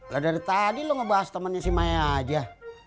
lah dari tadi lu ngebahas temennya si maya aja